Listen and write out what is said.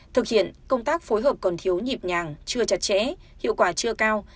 thực hiện công tác phối hợp còn thiếu nhịp nhàng chưa chặt chẽ hiệu quả chưa cao